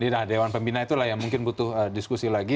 nah dewan pembina itulah yang mungkin butuh diskusi lagi